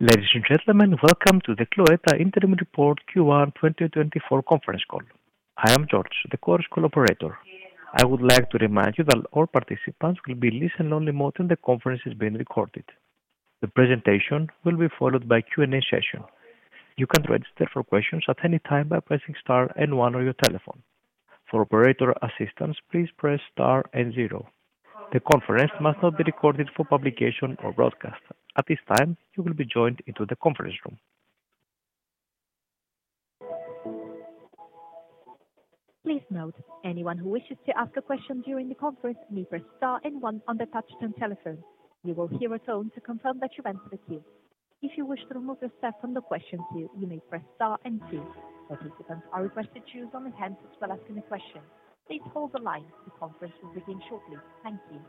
Ladies and gentlemen, welcome to the Cloetta Interim Report Q1 2024 conference call. I am George, the conference operator. I would like to remind you that all participants will be in listen-only mode and the conference is being recorded. The presentation will be followed by a Q&A session. You can register for questions at any time by pressing star and one on your telephone. For operator assistance, please press star and zero. The conference must not be recorded for publication or broadcast. At this time, you will be joined into the conference room. Please note, anyone who wishes to ask a question during the conference, may press star and one on the touchtone telephone. You will hear a tone to confirm that you entered the queue. If you wish to remove yourself from the question queue, you may press star and two. Participants are requested to use only handsets while asking a question. Please hold the line. The conference will begin shortly. Thank you. ...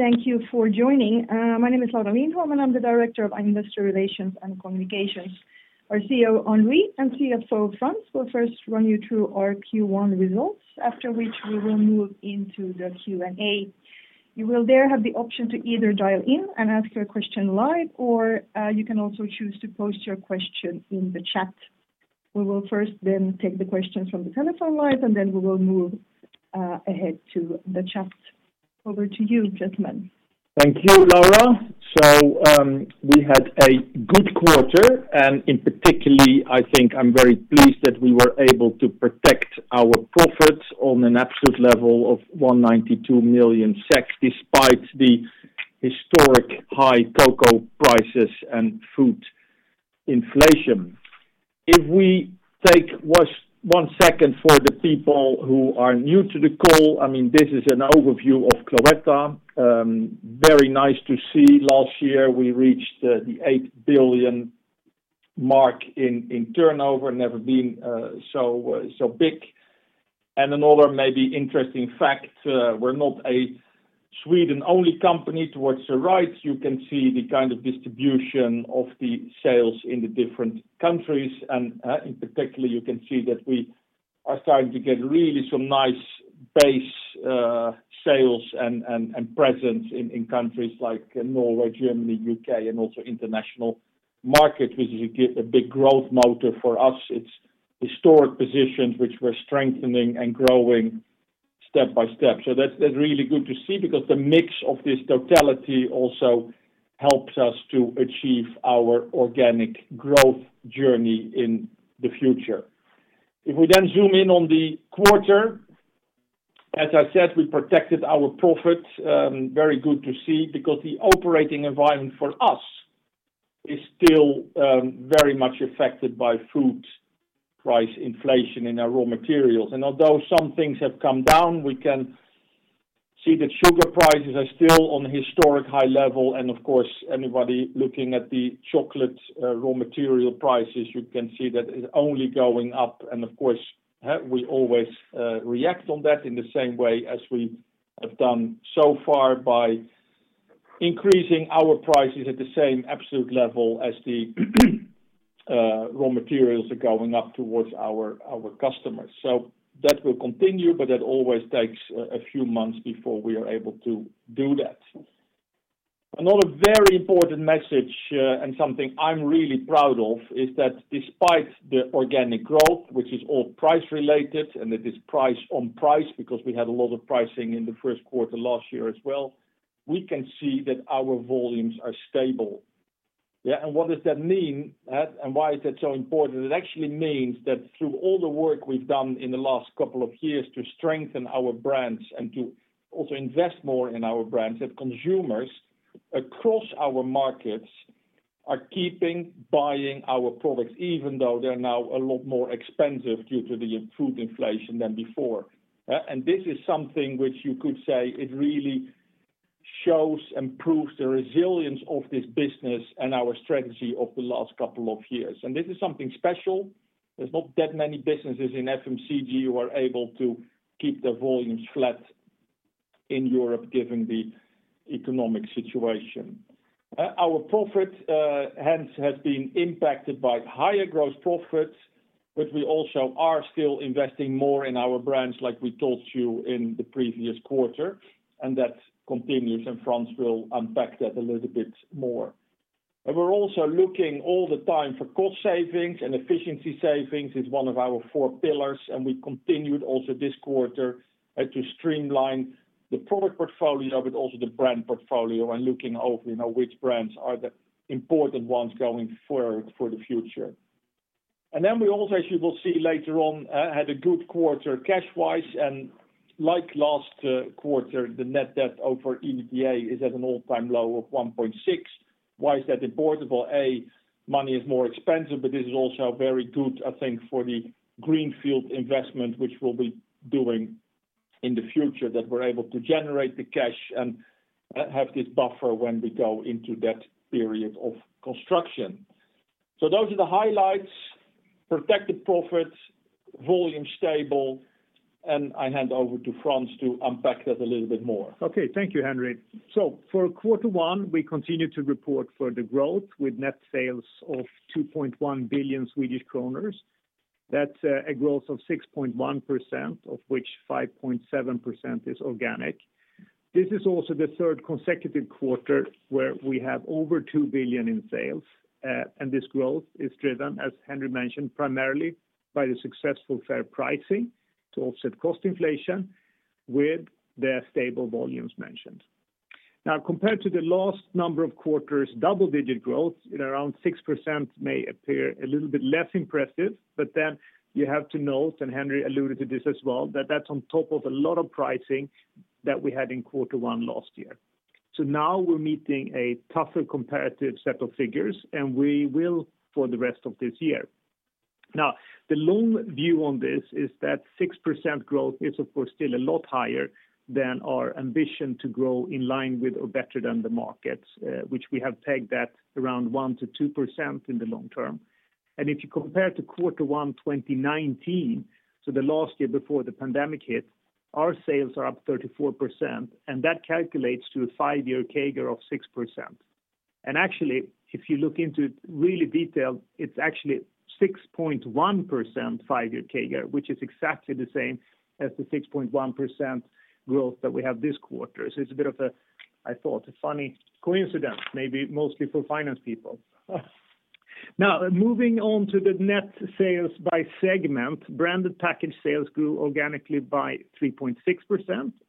Thank you for joining. My name is Laura Lindholm, and I'm the Director of Investor Relations and Communications. Our CEO, Henri, and CFO, Frans, will first run you through our Q1 results, after which we will move into the Q&A. You will there have the option to either dial in and ask your question live, or you can also choose to post your question in the chat. We will first then take the questions from the telephone line, and then we will move ahead to the chat. Over to you, gentlemen. Thank you, Laura. So, we had a good quarter, and in particular, I think I'm very pleased that we were able to protect our profits on an absolute level of 192 million SEK, despite the historic high cocoa prices and food inflation. If we take one second for the people who are new to the call, I mean, this is an overview of Cloetta. Very nice to see. Last year, we reached the 8 billion SEK mark in turnover. Never been so big. And another maybe interesting fact, we're not a Sweden-only company. Towards the right, you can see the kind of distribution of the sales in the different countries and, in particularly, you can see that we are starting to get really some nice base sales and presence in countries like Norway, Germany, U.K., and also international markets, which is a big growth motor for us. It's historic positions which we're strengthening and growing step by step. So that's really good to see because the mix of this totality also helps us to achieve our organic growth journey in the future. If we then zoom in on the quarter, as I said, we protected our profits. Very good to see, because the operating environment for us is still very much affected by food price inflation in our raw materials. Although some things have come down, we can see that sugar prices are still on historic high level. Of course, anybody looking at the chocolate, raw material prices, you can see that it's only going up. Of course, we always react on that in the same way as we have done so far by increasing our prices at the same absolute level as the, raw materials are going up towards our, our customers. So that will continue, but that always takes a few months before we are able to do that. Another very important message, and something I'm really proud of, is that despite the organic growth, which is all price related, and it is price on price, because we had a lot of pricing in the first quarter last year as well, we can see that our volumes are stable. Yeah, and what does that mean, and why is that so important? It actually means that through all the work we've done in the last couple of years to strengthen our brands and to also invest more in our brands, that consumers across our markets are keeping buying our products, even though they're now a lot more expensive due to the input inflation than before. And this is something which you could say it really shows and proves the resilience of this business and our strategy of the last couple of years. And this is something special. There's not that many businesses in FMCG who are able to keep their volumes flat in Europe, given the economic situation. Our profit hence has been impacted by higher gross profits, but we also are still investing more in our brands, like we told you in the previous quarter, and that continues, and Frans will unpack that a little bit more. We're also looking all the time for cost savings and efficiency savings is one of our four pillars, and we continued also this quarter to streamline the product portfolio, but also the brand portfolio, and looking over, you know, which brands are the important ones going forward for the future. Then we also, as you will see later on, had a good quarter cash-wise, and like last quarter, the net debt over EBITDA is at an all-time low of 1.6. Why is that important? Well, money is more expensive, but this is also very good, I think, for the Greenfield investment, which we'll be doing later in the future, that we're able to generate the cash and have this buffer when we go into that period of construction. So those are the highlights. Protected profits, volume stable, and I hand over to Frans to unpack that a little bit more. Okay, thank you, Henri. So for quarter one, we continued to report further growth with net sales of 2.1 billion Swedish kronor. That's a growth of 6.1%, of which 5.7% is organic. This is also the third consecutive quarter where we have over 2 billion in sales. And this growth is driven, as Henri mentioned, primarily by the successful fair pricing to offset cost inflation, with the stable volumes mentioned. Now, compared to the last number of quarters, double-digit growth at around 6% may appear a little bit less impressive, but then you have to note, and Henri alluded to this as well, that that's on top of a lot of pricing that we had in quarter one last year. So now we're meeting a tougher comparative set of figures, and we will for the rest of this year. Now, the long view on this is that 6% growth is, of course, still a lot higher than our ambition to grow in line with or better than the markets, which we have tagged that around 1%-2% in the long term. And if you compare to quarter one, 2019, so the last year before the pandemic hit, our sales are up 34%, and that calculates to a five-year CAGR of 6%. And actually, if you look into really detailed, it's actually 6.1% five-year CAGR, which is exactly the same as the 6.1% growth that we have this quarter. So it's a bit of a, I thought, a funny coincidence, maybe mostly for finance people. Now, moving on to the net sales by segment. Branded packaged sales grew organically by 3.6%,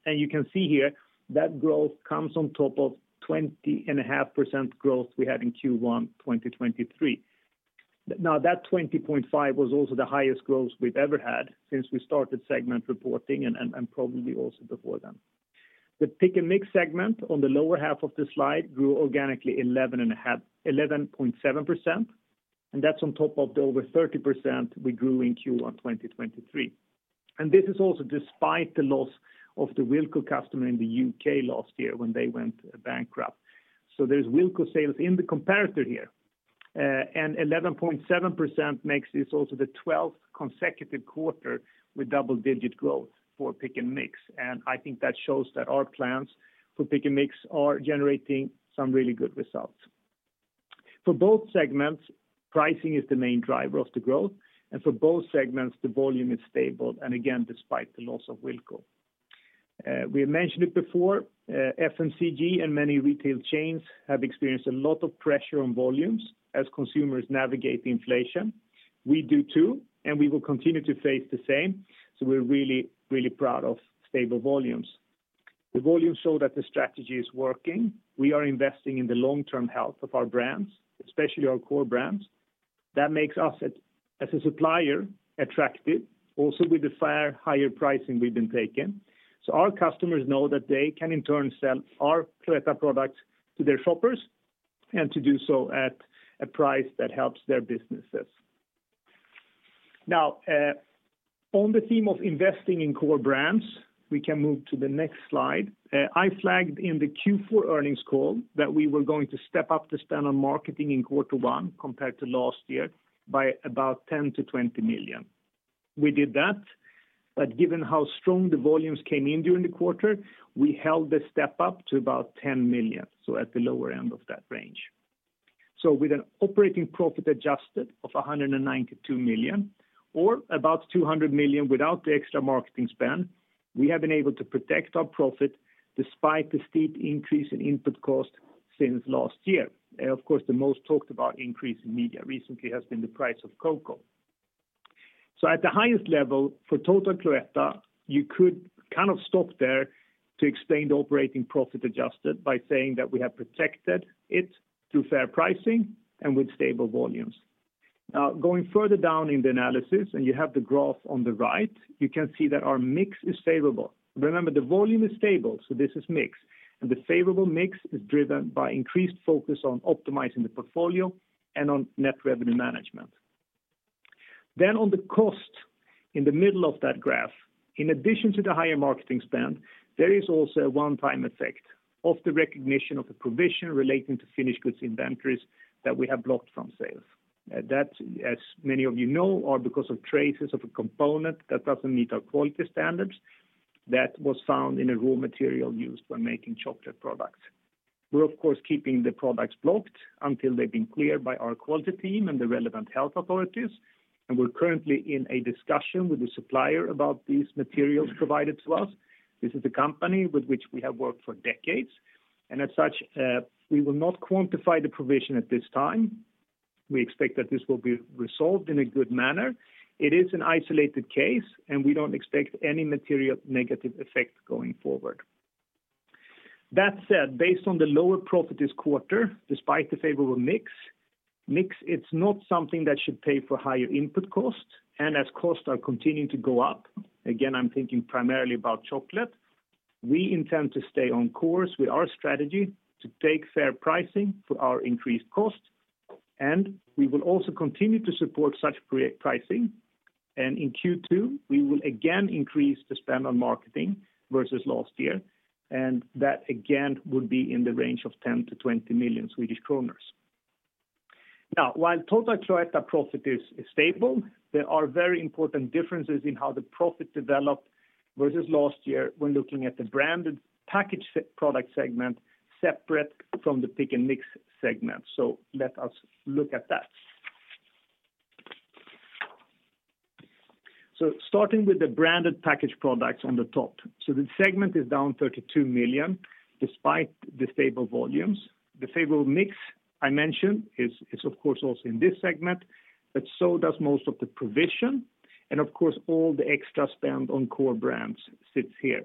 and you can see here that growth comes on top of 20.5% growth we had in Q1 2023. Now, that 20.5 was also the highest growth we've ever had since we started segment reporting and, probably also before then. The Pick & Mix segment on the lower half of the slide grew organically 11.5--11.7%, and that's on top of the over 30% we grew in Q1 2023. And this is also despite the loss of the Wilko customer in the U.K. last year when they went bankrupt. So there's Wilko sales in the comparator here, and 11.7% makes this also the 12th consecutive quarter with double-digit growth for Pick & Mix. And I think that shows that our plans for Pick & Mix are generating some really good results. For both segments, pricing is the main driver of the growth, and for both segments, the volume is stable, and again, despite the loss of Wilko. We have mentioned it before, FMCG and many retail chains have experienced a lot of pressure on volumes as consumers navigate the inflation. We do, too, and we will continue to face the same, so we're really, really proud of stable volumes. The volumes show that the strategy is working. We are investing in the long-term health of our brands, especially our core brands. That makes us, as a supplier, attractive. Also, with the fair, higher pricing we've been taking. So our customers know that they can, in turn, sell our Cloetta products to their shoppers, and to do so at a price that helps their businesses. Now, on the theme of investing in core brands, we can move to the next slide. I flagged in the Q4 earnings call that we were going to step up the spend on marketing in quarter one compared to last year by about 10 million-20 million. We did that, but given how strong the volumes came in during the quarter, we held the step up to about 10 million, so at the lower end of that range. So with an operating profit adjusted of 192 million, or about 200 million without the extra marketing spend, we have been able to protect our profit despite the steep increase in input costs since last year. Of course, the most talked about increase in media recently has been the price of cocoa. So at the highest level, for total Cloetta, you could kind of stop there to explain the operating profit adjusted by saying that we have protected it through fair pricing and with stable volumes. Now, going further down in the analysis, and you have the graph on the right, you can see that our mix is favorable. Remember, the volume is stable, so this is mix, and the favorable mix is driven by increased focus on optimizing the portfolio and on net revenue management. Then on the cost, in the middle of that graph, in addition to the higher marketing spend, there is also a one-time effect of the recognition of the provision relating to finished goods inventories that we have blocked from sales. That, as many of you know, are because of traces of a component that doesn't meet our quality standards, that was found in a raw material used when making chocolate products. We're, of course, keeping the products blocked until they've been cleared by our quality team and the relevant health authorities, and we're currently in a discussion with the supplier about these materials provided to us. This is a company with which we have worked for decades, and as such, we will not quantify the provision at this time. We expect that this will be resolved in a good manner. It is an isolated case, and we don't expect any material negative effect going forward. That said, based on the lower profit this quarter, despite the favorable mix, mix, it's not something that should pay for higher input costs, and as costs are continuing to go up, again, I'm thinking primarily about chocolate, we intend to stay on course with our strategy to take fair pricing for our increased costs, and we will also continue to support such great pricing. And in Q2, we will again increase the spend on marketing versus last year, and that again, would be in the range of 10-20 million Swedish kronor. Now, while total Cloetta profit is stable, there are very important differences in how the profit developed versus last year when looking at the Branded Packaged Products segment, separate from the Pick & Mix segment. So let us look at that. So starting with the Branded Packaged Products on the top. So the segment is down 32 million, despite the stable volumes. The stable mix I mentioned is, is, of course, also in this segment, but so does most of the provision. And of course, all the extra spend on core brands sits here.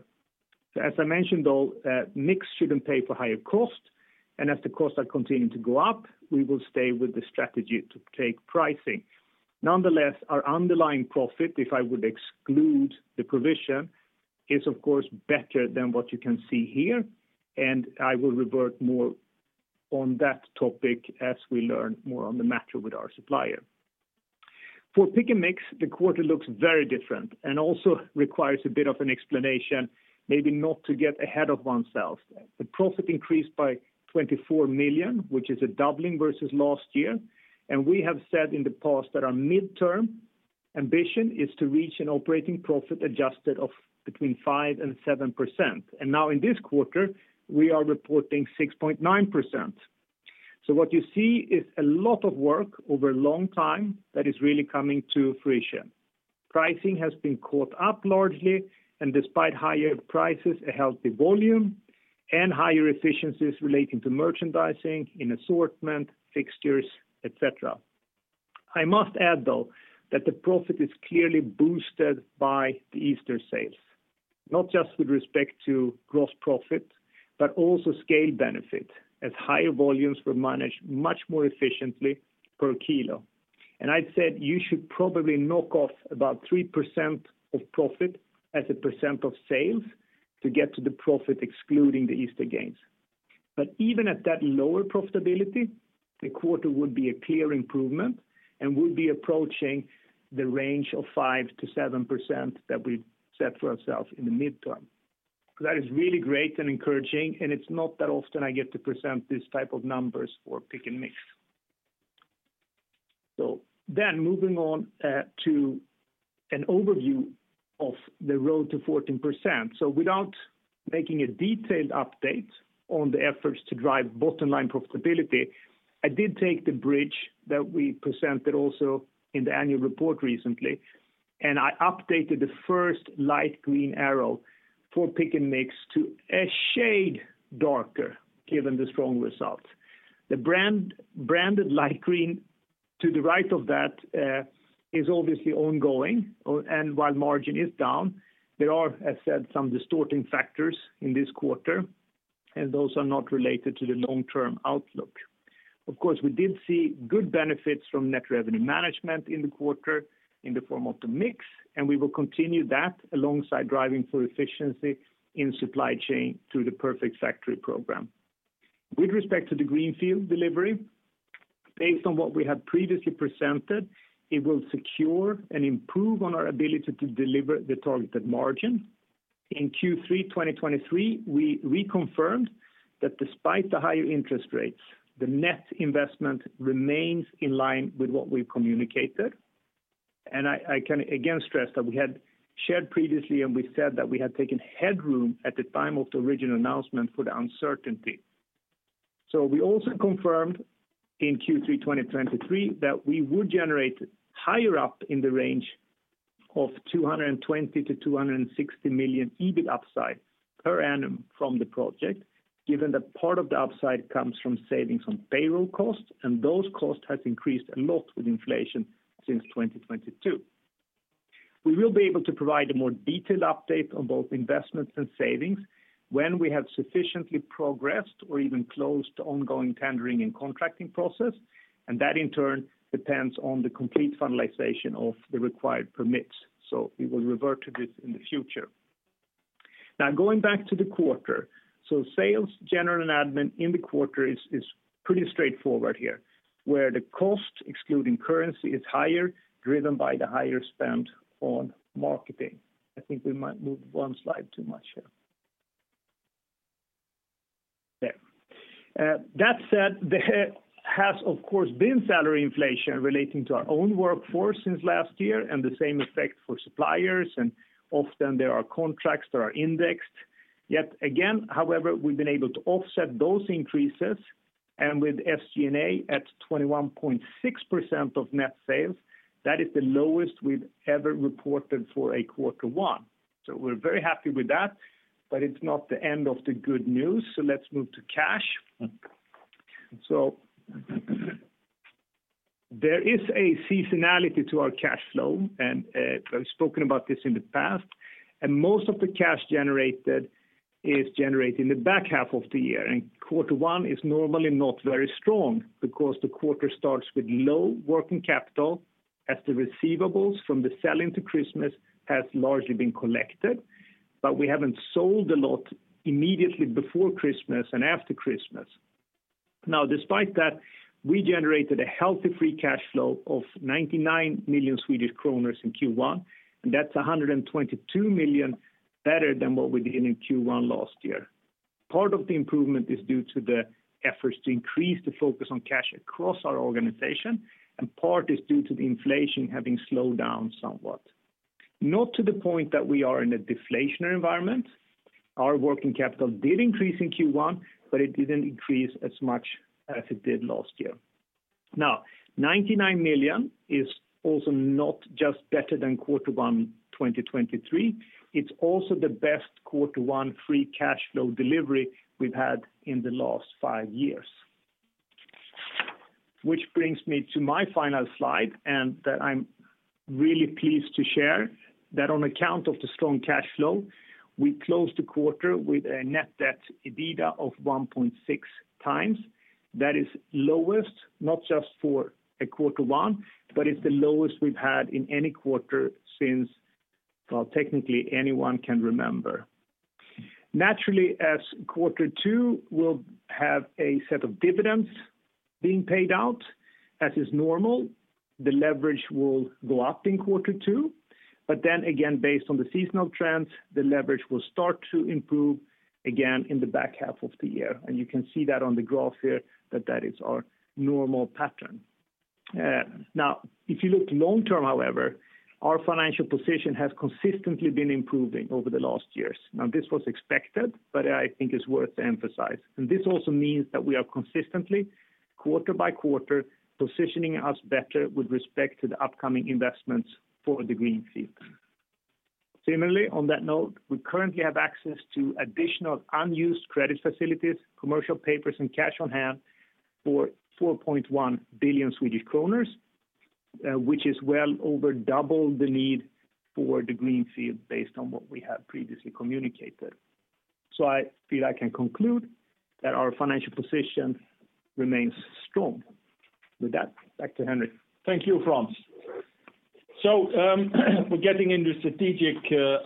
So as I mentioned, though, mix shouldn't pay for higher cost, and as the costs are continuing to go up, we will stay with the strategy to take pricing. Nonetheless, our underlying profit, if I would exclude the provision, is of course better than what you can see here, and I will revert more on that topic as we learn more on the matter with our supplier. For Pick & Mix, the quarter looks very different and also requires a bit of an explanation, maybe not to get ahead of ourselves. The profit increased by 24 million, which is a doubling versus last year, and we have said in the past that our midterm ambition is to reach an operating profit adjusted of between 5% and 7%. Now in this quarter, we are reporting 6.9%. What you see is a lot of work over a long time that is really coming to fruition. Pricing has been caught up largely, and despite higher prices, a healthy volume and higher efficiencies relating to merchandising in assortment, fixtures, et cetera. I must add, though, that the profit is clearly boosted by the Easter sales, not just with respect to gross profit, but also scale benefit, as higher volumes were managed much more efficiently per kilo. And I'd said you should probably knock off about 3% of profit as a percent of sales to get to the profit excluding the Easter gains. But even at that lower profitability, the quarter would be a clear improvement and would be approaching the range of 5%-7% that we've set for ourselves in the midterm. That is really great and encouraging, and it's not that often I get to present these type of numbers for Pick & Mix. So then moving on, to an overview of the road to 14%. So without making a detailed update on the efforts to drive bottom-line profitability, I did take the bridge that we presented also in the annual report recently, and I updated the first light green arrow for Pick & Mix to a shade darker, given the strong results. The branded light green to the right of that is obviously ongoing, and while margin is down, there are, as said, some distorting factors in this quarter, and those are not related to the long-term outlook. Of course, we did see good benefits from net revenue management in the quarter in the form of the mix, and we will continue that alongside driving for efficiency in supply chain through the Perfect Factory program. With respect to the Greenfield delivery, based on what we have previously presented, it will secure and improve on our ability to deliver the targeted margin. In Q3/2023, we reconfirmed that despite the higher interest rates, the net investment remains in line with what we've communicated. I, I can again stress that we had shared previously, and we said that we had taken headroom at the time of the original announcement for the uncertainty. We also confirmed in Q3/2023 that we would generate higher up in the range of 220-260 million EBIT upside per annum from the project, given that part of the upside comes from savings on payroll costs, and those costs has increased a lot with inflation since 2022. We will be able to provide a more detailed update on both investments and savings when we have sufficiently progressed or even closed ongoing tendering and contracting process, and that, in turn, depends on the complete finalization of the required permits. We will revert to this in the future. Now, going back to the quarter. So sales, general and admin in the quarter is pretty straightforward here, where the cost, excluding currency, is higher, driven by the higher spend on marketing. I think we might move one slide too much here. There. That said, there has, of course, been salary inflation relating to our own workforce since last year and the same effect for suppliers, and often there are contracts that are indexed. Yet again, however, we've been able to offset those increases, and with SG&A at 21.6% of net sales, that is the lowest we've ever reported for a quarter one. So we're very happy with that, but it's not the end of the good news. So let's move to cash. So there is a seasonality to our cash flow, and I've spoken about this in the past, and most of the cash generated is generated in the back half of the year, and quarter one is normally not very strong because the quarter starts with low working capital, as the receivables from the sell into Christmas has largely been collected, but we haven't sold a lot immediately before Christmas and after Christmas. Now, despite that, we generated a healthy free cash flow of 99 million Swedish kronor in Q1, and that's 122 million better than what we did in Q1 last year. Part of the improvement is due to the efforts to increase the focus on cash across our organization, and part is due to the inflation having slowed down somewhat. Not to the point that we are in a deflationary environment. Our working capital did increase in Q1, but it didn't increase as much as it did last year. Now, 99 million is also not just better than Q1 2023, it's also the best Q1 free cash flow delivery we've had in the last 5 years. Which brings me to my final slide, and that I'm really pleased to share, that on account of the strong cash flow, we closed the quarter with a net debt EBITDA of 1.6 times. That is lowest, not just for a Q1, but it's the lowest we've had in any quarter since, well, technically, anyone can remember. Naturally, as quarter two will have a set of dividends being paid out, as is normal, the leverage will go up in quarter two, but then again, based on the seasonal trends, the leverage will start to improve again in the back half of the year, and you can see that on the graph here that that is our normal pattern. Now, if you look long term, however, our financial position has consistently been improving over the last years. Now, this was expected, but I think it's worth to emphasize. This also means that we are consistently, quarter by quarter, positioning us better with respect to the upcoming investments for the Greenfield. Similarly, on that note, we currently have access to additional unused credit facilities, commercial papers, and cash on hand for 4.1 billion Swedish kronor, which is well over double the need for the Greenfield based on what we have previously communicated. So I feel I can conclude that our financial position remains strong. With that, back to Henri. Thank you, Frans. So, we're getting into strategic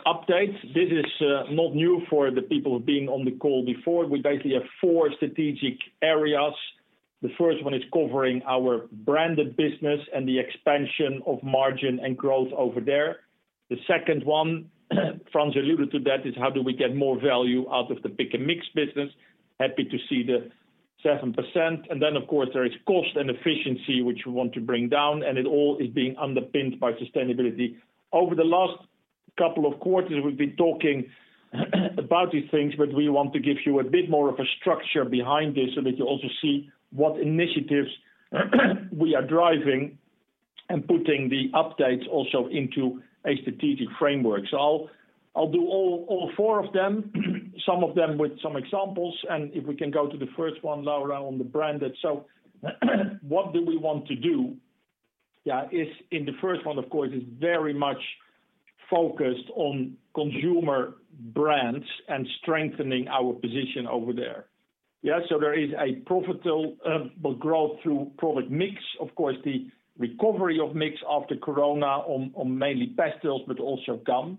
updates. This is not new for the people being on the call before. We basically have four strategic areas. The first one is covering our branded business and the expansion of margin and growth over there. The second one, Frans alluded to that, is how do we get more value out of the Pick & Mix business? Happy to see the 7%. And then, of course, there is cost and efficiency, which we want to bring down, and it all is being underpinned by sustainability. Over the last couple of quarters, we've been talking about these things, but we want to give you a bit more of a structure behind this so that you also see what initiatives we are driving and putting the updates also into a strategic framework. So I'll do all four of them, some of them with some examples, and if we can go to the first one, Laura, on the branded. So, what do we want to do? Yeah, is in the first one, of course, is very much focused on consumer brands and strengthening our position over there. Yeah, so there is a profitable growth through product mix. Of course, the recovery of mix after Corona on mainly pastilles, but also gum.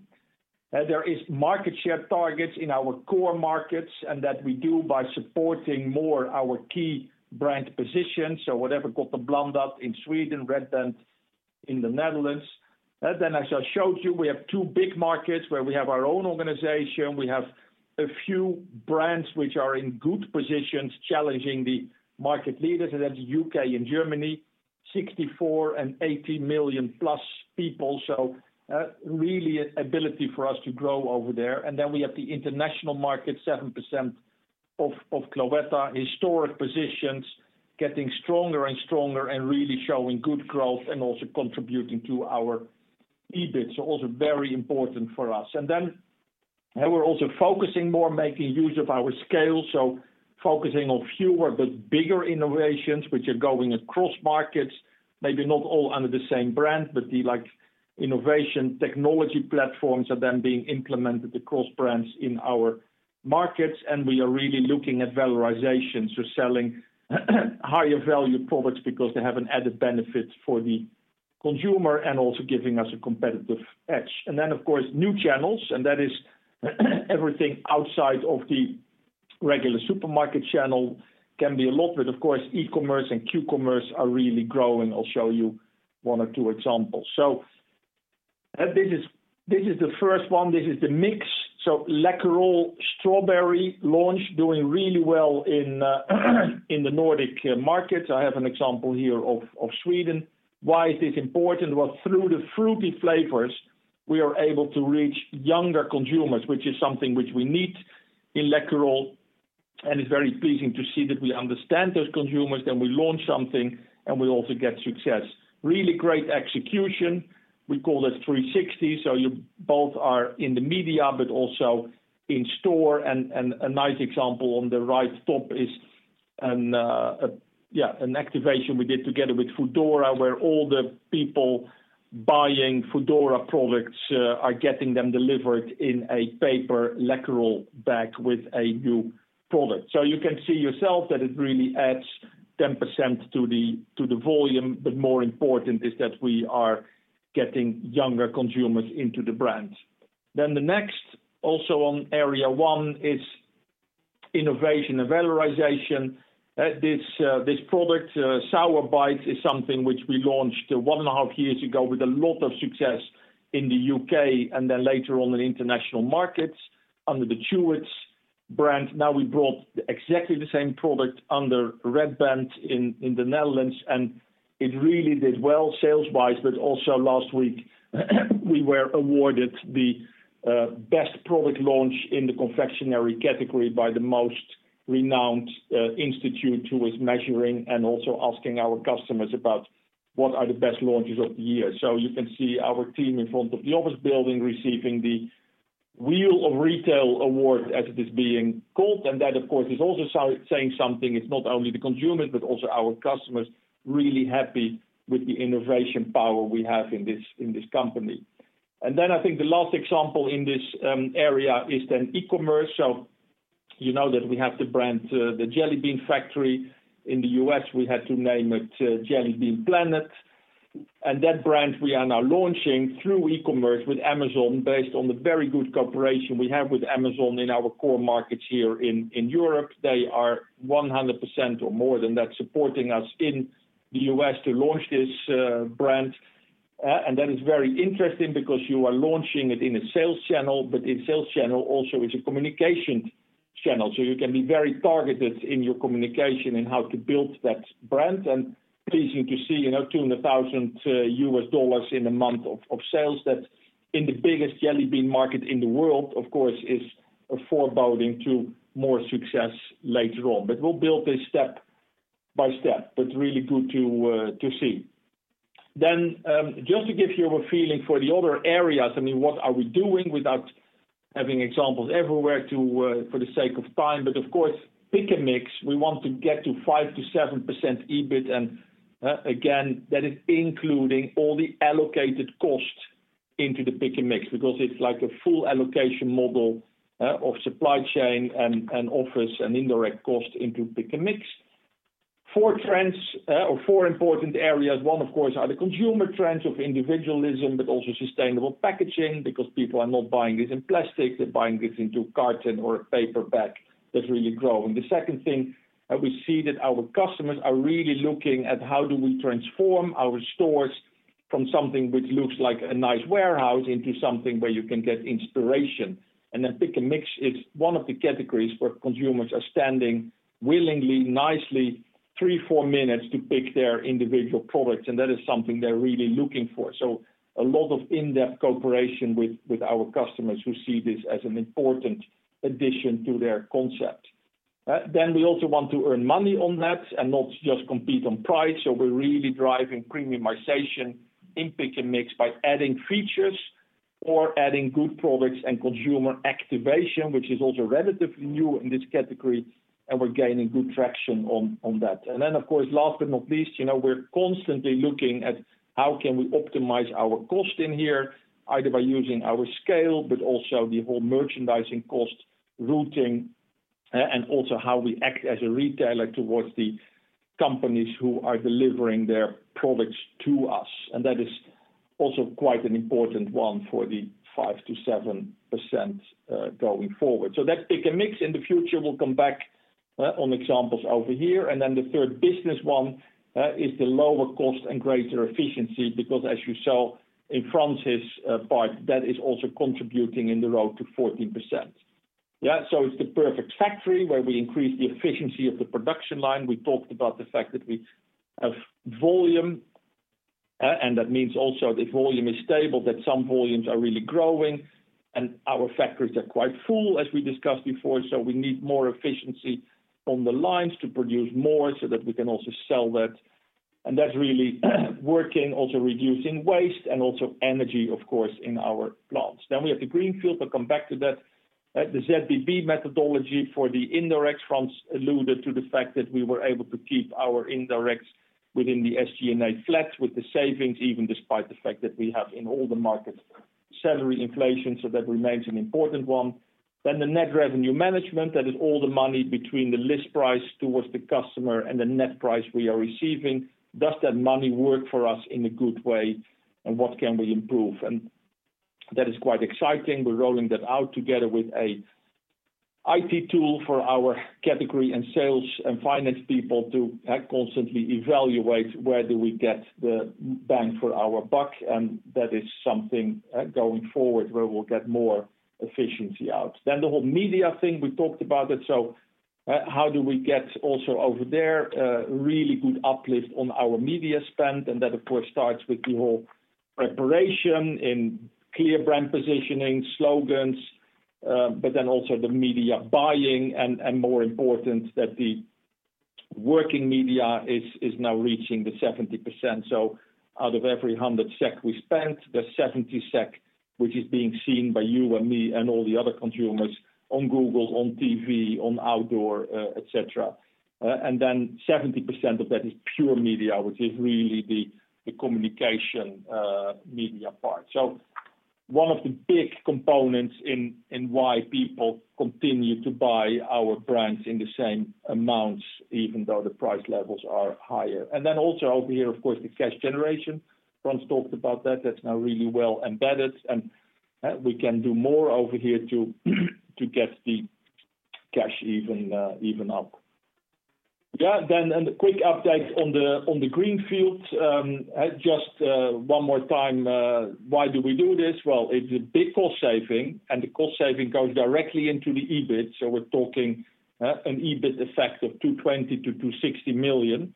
There is market share targets in our core markets, and that we do by supporting more our key brand position, so whatever Gott & Blandat in Sweden, Red Band in the Netherlands. Then as I showed you, we have two big markets where we have our own organization. We have a few brands which are in good positions, challenging the market leaders, and that's UK and Germany, 64 and 80 million-plus people, so really ability for us to grow over there. And then we have the international market, 7% of Cloetta historic positions, getting stronger and stronger and really showing good growth and also contributing to our EBIT, so also very important for us. And then, and we're also focusing more, making use of our scale, so focusing on fewer but bigger innovations, which are going across markets, maybe not all under the same brand, but the like innovation technology platforms are then being implemented across brands in our markets, and we are really looking at valorization. So selling higher value products because they have an added benefit for the consumer and also giving us a competitive edge. And then, of course, new channels, and that is everything outside of the regular supermarket channel can be a lot, but of course, e-commerce and Q-commerce are really growing. I'll show you one or two examples. So, this is the first one. This is the mix, so Läkerol strawberry launch doing really well in the Nordic markets. I have an example here of Sweden. Why is this important? Well, through the fruity flavors, we are able to reach younger consumers, which is something which we need in Läkerol, and it's very pleasing to see that we understand those consumers, then we launch something, and we also get success. Really great execution. We call this three sixty, so you both are in the media but also in store, and a nice example on the right top is an activation we did together with Foodora, where all the people buying Foodora products are getting them delivered in a paper Läkerol bag with a new product. So you can see yourself that it really adds 10% to the volume, but more important is that we are getting younger consumers into the brand. Then the next, also on area one, is innovation and valorization. This product, Sour Bites, is something which we launched one and a half years ago with a lot of success in the U.K. and then later on in international markets under the Chewits brand. Now, we brought exactly the same product under Red Band in the Netherlands, and it really did well sales-wise, but also last week, we were awarded the best product launch in the confectionery category by the most renowned institute, who is measuring and also asking our customers about what are the best launches of the year. So you can see our team in front of the office building, receiving the Wheel of Retail award, as it is being called, and that, of course, is also so saying something. It's not only the consumer, but also our customers, really happy with the innovation power we have in this company. And then I think the last example in this area is then e-commerce. So you know that we have the brand, the Jelly Bean Factory. In the U.S., we had to name it, Jelly Bean Planet. And that brand we are now launching through e-commerce with Amazon, based on the very good cooperation we have with Amazon in our core markets here in Europe. They are 100% or more than that, supporting us in the U.S. to launch this brand. And that is very interesting because you are launching it in a sales channel, but a sales channel also is a communication channel, so you can be very targeted in your communication and how to build that brand. And pleasing to see, you know, $200,000 in a month of sales. That, in the biggest jelly bean market in the world, of course, is foreboding to more success later on. But we'll build this step by step. But really good to see. Then, just to give you a feeling for the other areas, I mean, what are we doing without having examples everywhere to, for the sake of time, but of course, Pick & Mix, we want to get to 5%-7% EBIT. Again, that is including all the allocated costs into the Pick & Mix, because it's like a full allocation model, of supply chain and, and office and indirect cost into Pick & Mix. Four trends or four important areas. One, of course, are the consumer trends of individualism, but also sustainable packaging, because people are not buying this in plastic, they're buying this into carton or a paper bag. That's really growing. The second thing that we see that our customers are really looking at, how do we transform our stores from something which looks like a nice warehouse into something where you can get inspiration? Then Pick & Mix is one of the categories where consumers are standing willingly, nicely, 3-4 minutes to pick their individual products, and that is something they're really looking for. A lot of in-depth cooperation with our customers who see this as an important addition to their concept. We also want to earn money on that and not just compete on price. We're really driving premiumization in Pick & Mix by adding features or adding good products and consumer activation, which is also relatively new in this category, and we're gaining good traction on that. And then, of course, last but not least, you know, we're constantly looking at how can we optimize our cost in here, either by using our scale, but also the whole merchandising cost, routing, and also how we act as a retailer towards the companies who are delivering their products to us. And that is also quite an important one for the 5%-7%, going forward. So that Pick & Mix in the future, we'll come back, on examples over here. And then the third business one is the lower cost and greater efficiency, because as you saw in Frans', part, that is also contributing in the road to 14%. Yeah, so it's the Perfect Factory where we increase the efficiency of the production line. We talked about the fact that we have volume, and that means also the volume is stable, that some volumes are really growing and our factories are quite full, as we discussed before, so we need more efficiency on the lines to produce more, so that we can also sell that. That's really working, also reducing waste and also energy, of course, in our plants. We have the Greenfield. We'll come back to that. The ZBB methodology for the indirect costs alluded to the fact that we were able to keep our indirects within the SG&A flat with the savings, even despite the fact that we have, in all the markets, salary inflation, so that remains an important one. The Net Revenue Management, that is all the money between the list price towards the customer and the net price we are receiving. Does that money work for us in a good way, and what can we improve? That is quite exciting. We're rolling that out together with a IT tool for our category and sales and finance people to constantly evaluate where do we get the bang for our buck, and that is something going forward where we'll get more efficiency out. The whole media thing, we talked about it. How do we get also over there really good uplift on our media spend? That, of course, starts with the whole preparation in clear brand positioning, slogans, but then also the media buying, and more important, that the working media is now reaching the 70%. So out of every 100 SEK we spent, the 70 SEK-... which is being seen by you and me and all the other consumers on Google, on TV, on outdoor, et cetera. And then 70% of that is pure media, which is really the, the communication, media part. So one of the big components in why people continue to buy our brands in the same amounts, even though the price levels are higher. And then also over here, of course, the cash generation. Frans talked about that. That's now really well embedded, and we can do more over here to get the cash even, even up. Yeah, then, and a quick update on the greenfield. Just one more time, why do we do this? Well, it's a big cost saving, and the cost saving goes directly into the EBIT, so we're talking an EBIT effect of 220 million-260 million.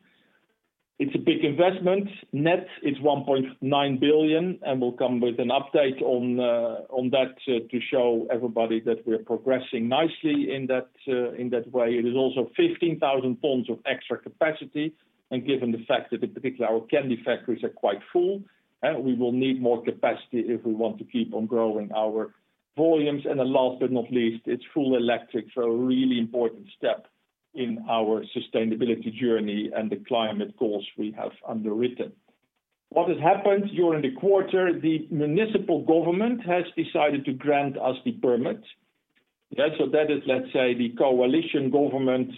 It's a big investment. Net is 1.9 billion, and we'll come with an update on that to show everybody that we're progressing nicely in that way. It is also 15,000 tons of extra capacity, and given the fact that in particular, our candy factories are quite full, and we will need more capacity if we want to keep on growing our volumes. And then last but not least, it's full electric, so a really important step in our sustainability journey and the climate goals we have underwritten. What has happened during the quarter, the municipal government has decided to grant us the permit. Yeah, so that is, let's say, the coalition government,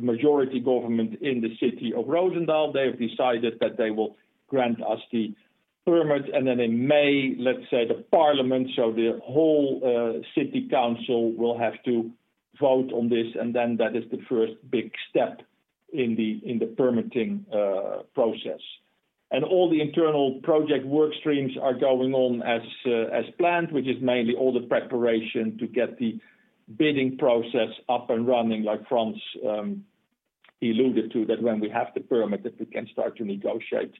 majority government in the city of Roosendaal. They have decided that they will grant us the permit, and then in May, let's say, the parliament, so the whole, city council will have to vote on this, and then that is the first big step in the, in the permitting, process. And all the internal project work streams are going on as, as planned, which is mainly all the preparation to get the bidding process up and running, like Frans, alluded to, that when we have the permit, that we can start to negotiate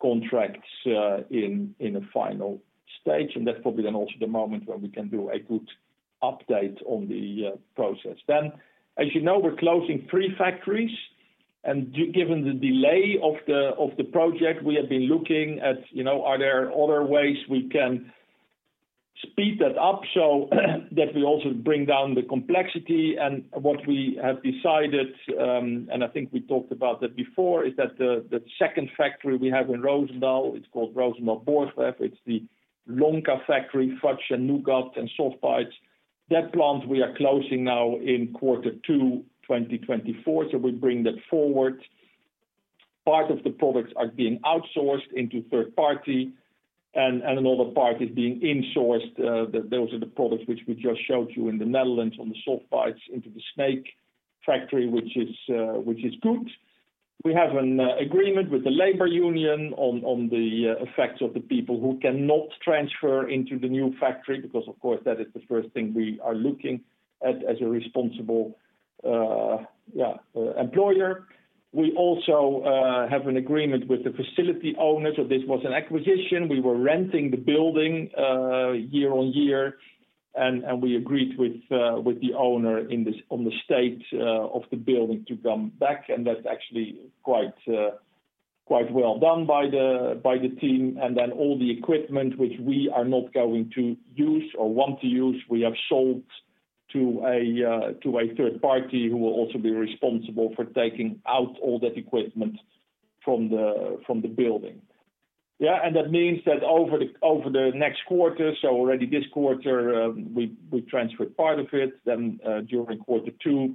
contracts, in, in a final stage. And that's probably then also the moment where we can do a good update on the, process. Then, as you know, we're closing three factories, and given the delay of the project, we have been looking at, you know, are there other ways we can speed that up so that we also bring down the complexity? And what we have decided, and I think we talked about that before, is that the second factory we have in Roosendaal, it's called Roosendaal Borchwerf. It's the Lonka factory, fudge, and nougat, and soft bites. That plant we are closing now in quarter 2, 2024, so we bring that forward. Part of the products are being outsourced into third party and another part is being insourced. Those are the products which we just showed you in the Netherlands on the soft bites into the Sneek factory, which is good. We have an agreement with the labor union on the effects of the people who cannot transfer into the new factory, because, of course, that is the first thing we are looking at as a responsible employer. We also have an agreement with the facility owner, so this was an acquisition. We were renting the building year on year, and we agreed with the owner in this on the state of the building to come back, and that's actually quite well done by the team. And then all the equipment, which we are not going to use or want to use, we have sold to a third party, who will also be responsible for taking out all that equipment from the building. Yeah, and that means that over the next quarter, so already this quarter, we transferred part of it, then during quarter two,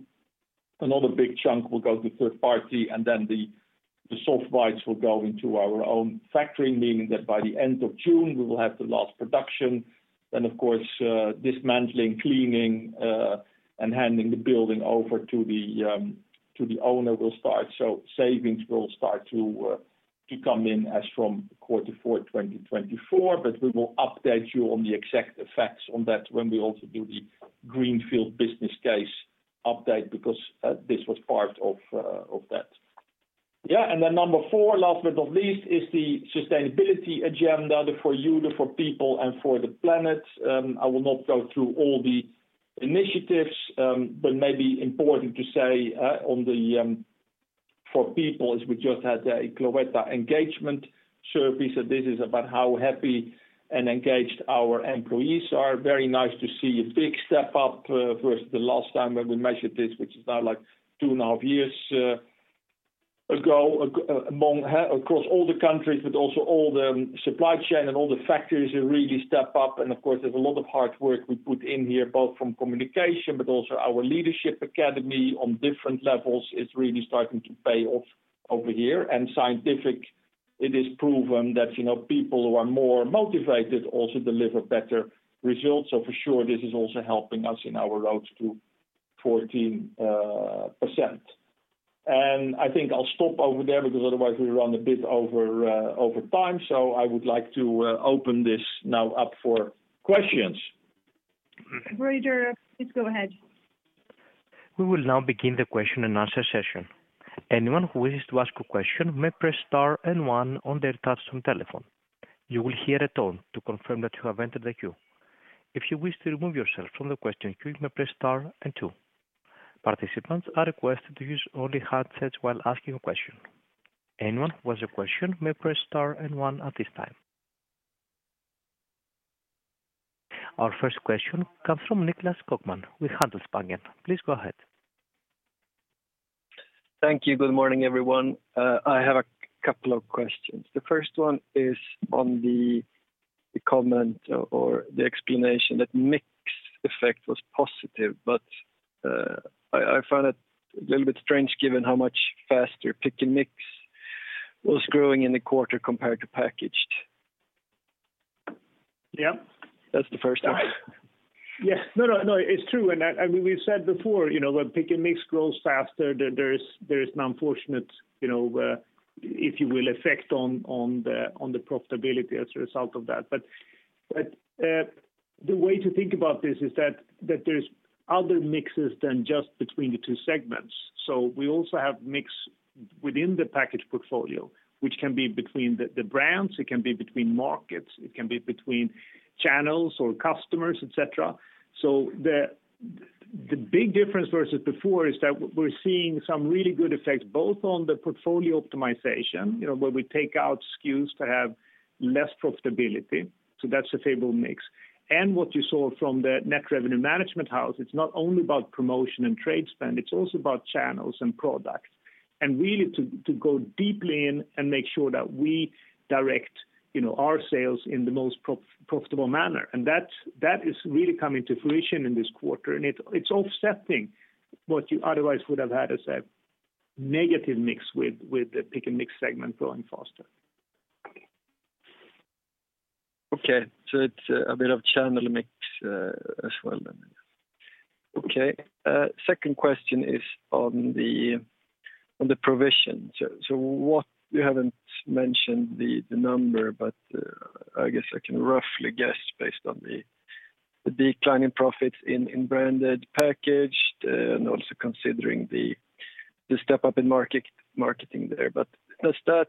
another big chunk will go to the third party, and then the soft bites will go into our own factory, meaning that by the end of June, we will have the last production. Then, of course, dismantling, cleaning, and handing the building over to the owner will start. So savings will start to come in as from quarter four 2024, but we will update you on the exact effects on that when we also do the Greenfield business case update, because this was part of that. Yeah, and then number four, last but not least, is the sustainability agenda for you, for people, and for the planet. I will not go through all the initiatives, but maybe important to say, on the, for people is we just had a Cloetta engagement survey. So this is about how happy and engaged our employees are. Very nice to see a big step up, versus the last time that we measured this, which is now, like, two and a half years, ago, among, across all the countries, but also all the supply chain and all the factories have really step up. And of course, there's a lot of hard work we put in here, both from communication, but also our leadership academy on different levels is really starting to pay off over here. And scientific, it is proven that, you know, people who are more motivated also deliver better results. So for sure, this is also helping us on our road to 14%. I think I'll stop over there because otherwise we run a bit over time. I would like to open this now up for questions. Operator, please go ahead. We will now begin the question-and-answer session. Anyone who wishes to ask a question may press star and one on their touchtone telephone. You will hear a tone to confirm that you have entered the queue. If you wish to remove yourself from the question queue, you may press star and two. Participants are requested to use only handsets while asking a question.... Anyone who has a question may press star and one at this time. Our first question comes from Niklas Skogman with Handelsbanken. Please go ahead. Thank you. Good morning, everyone. I have a couple of questions. The first one is on the comment or the explanation that mix effect was positive, but I find it a little bit strange given how much faster Pick & Mix was growing in the quarter compared to packaged. Yeah. That's the first one. Yes. No, no, no, it's true, and I, and we've said before, you know, when Pick & Mix grows faster, there is an unfortunate, you know, if you will, effect on the profitability as a result of that. But, but, the way to think about this is that there's other mixes than just between the two segments. So we also have mix within the packaged portfolio, which can be between the brands, it can be between markets, it can be between channels or customers, et cetera. So the big difference versus before is that we're seeing some really good effects, both on the portfolio optimization, you know, where we take out SKUs to have less profitability, so that's the favorable mix. What you saw from the Net Revenue Management house, it's not only about promotion and trade spend, it's also about channels and products. Really to go deeply in and make sure that we direct, you know, our sales in the most profitable manner. That's, that is really coming to fruition in this quarter, and it's, it's offsetting what you otherwise would have had as a negative mix with the Pick & Mix segment growing faster. Okay, so it's a bit of channel mix as well then. Okay, second question is on the provision. So what... You haven't mentioned the number, but I guess I can roughly guess based on the declining profits in branded packaged and also considering the step up in marketing there. But does that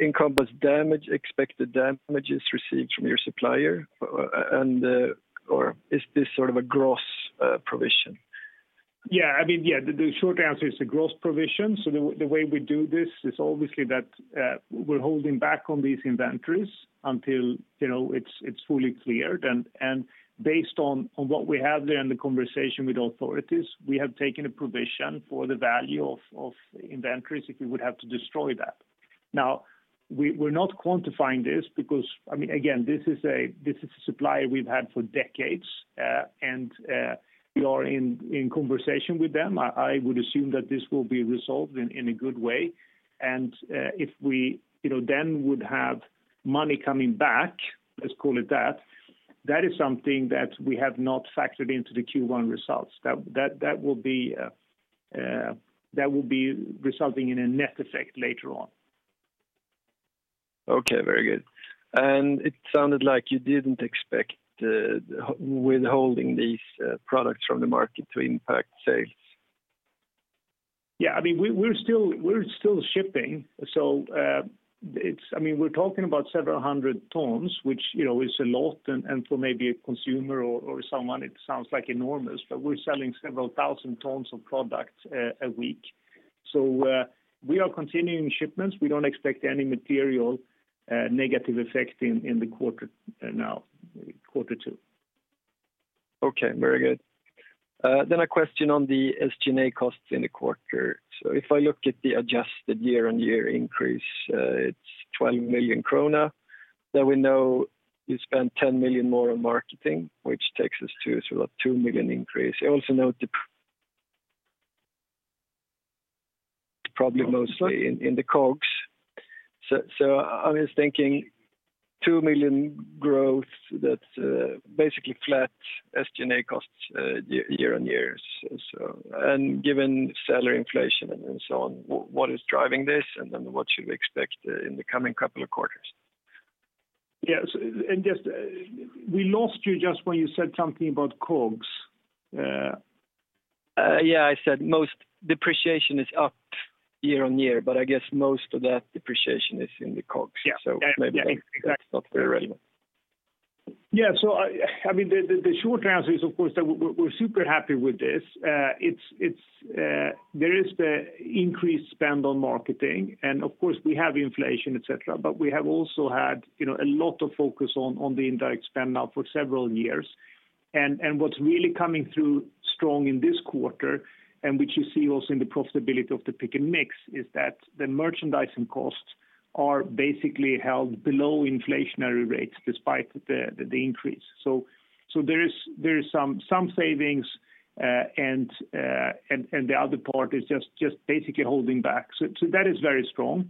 encompass damage, expected damages received from your supplier, and or is this sort of a gross provision? Yeah, I mean, yeah, the short answer is a gross provision. So the way we do this is obviously that, we're holding back on these inventories until, you know, it's fully cleared. And based on what we have there in the conversation with authorities, we have taken a provision for the value of inventories, if we would have to destroy that. Now, we're not quantifying this because, I mean, again, this is a supplier we've had for decades, and we are in conversation with them. I would assume that this will be resolved in a good way. And if we, you know, then would have money coming back, let's call it that, that is something that we have not factored into the Q1 results. That will be resulting in a net effect later on. Okay, very good. It sounded like you didn't expect withholding these products from the market to impact sales? Yeah, I mean, we're still shipping. So, it's... I mean, we're talking about several hundred tons, which, you know, is a lot, and for maybe a consumer or someone, it sounds like enormous, but we're selling several thousand tons of products a week. So, we are continuing shipments. We don't expect any material negative effect in the quarter, now, quarter two. Okay, very good. Then a question on the SG&A costs in the quarter. So if I look at the adjusted year-on-year increase, it's 12 million krona. Then we know you spent 10 million more on marketing, which takes us to sort of 2 million increase. I also note probably mostly in the COGS. So I was thinking 2 million growth, that's basically flat SG&A costs year-on-year. So, and given salary inflation and so on, what is driving this, and then what should we expect in the coming couple of quarters? Yes, and just, we lost you just when you said something about COGS. Yeah, I said most depreciation is up year-over-year, but I guess most of that depreciation is in the COGS. Yeah. Maybe that's not very relevant. Yeah. So I mean, the short answer is, of course, that we're super happy with this. There is the increased spend on marketing, and of course, we have inflation, et cetera, but we have also had, you know, a lot of focus on the indirect spend now for several years. And what's really coming through strong in this quarter, and which you see also in the profitability of the Pick & Mix, is that the merchandising costs are basically held below inflationary rates despite the increase. So there is some savings, and the other part is just basically holding back. So that is very strong.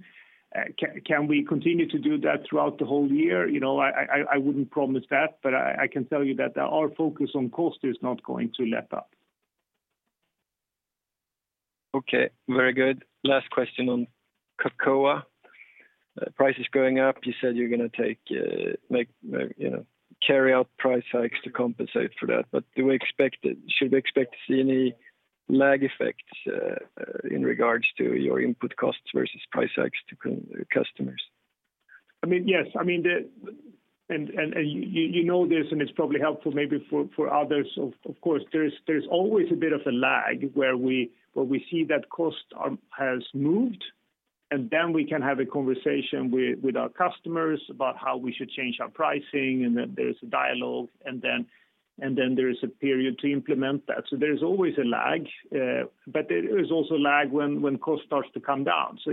Can we continue to do that throughout the whole year? You know, I wouldn't promise that, but I can tell you that, our focus on cost is not going to let up. Okay, very good. Last question on Cocoa. Price is going up. You said you're gonna take, make, you know, carry out price hikes to compensate for that. But do we expect to... Should we expect to see any lag effects, in regards to your input costs versus price hikes to customers?... I mean, yes, I mean, the and you know this, and it's probably helpful maybe for others. Of course, there's always a bit of a lag where we see that cost has moved, and then we can have a conversation with our customers about how we should change our pricing, and then there's a dialogue, and then there is a period to implement that. So there's always a lag, but there is also a lag when cost starts to come down. So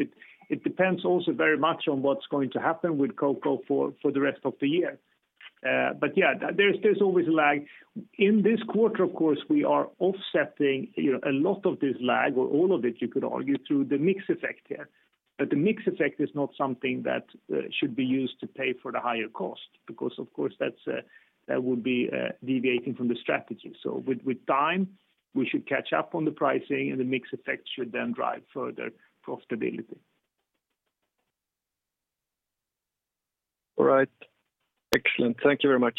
it depends also very much on what's going to happen with cocoa for the rest of the year. But yeah, there's always a lag. In this quarter, of course, we are offsetting, you know, a lot of this lag or all of it, you could argue, through the mix effect here. But the mix effect is not something that should be used to pay for the higher cost, because, of course, that would be deviating from the strategy. So with time, we should catch up on the pricing, and the mix effect should then drive further profitability. All right. Excellent. Thank you very much.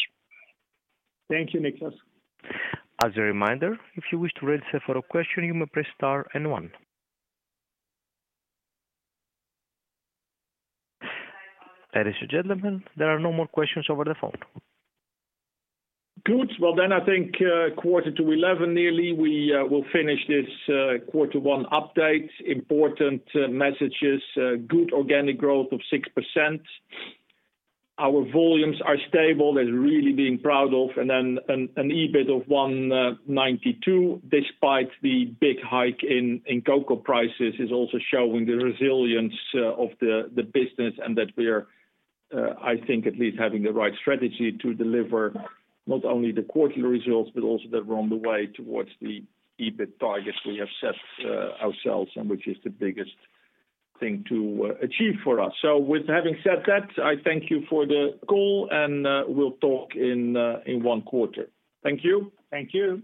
Thank you, Nicklas. As a reminder, if you wish to register for a question, you may press star and one. Ladies and gentlemen, there are no more questions over the phone. Good. Well, then I think, quarter to eleven, nearly, we will finish this quarter one update. Important messages, good organic growth of 6%. Our volumes are stable, and really being proud of, and then an EBIT of 192 million, despite the big hike in cocoa prices, is also showing the resilience of the business, and that we're, I think at least having the right strategy to deliver not only the quarterly results, but also that we're on the way towards the EBIT targets we have set ourselves, and which is the biggest thing to achieve for us. So with having said that, I thank you for the call, and we'll talk in one quarter. Thank you. Thank you.